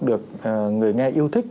được người nghe yêu thích